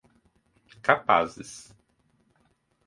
capazes